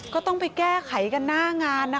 ก็ต้องไปแก้ไขกันหน้างานนะ